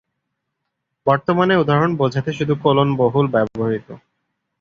বর্তমানে উদাহরণ বোঝাতে শুধু কোলন বহুল ব্যবহৃত।